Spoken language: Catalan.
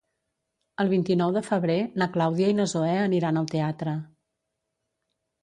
El vint-i-nou de febrer na Clàudia i na Zoè aniran al teatre.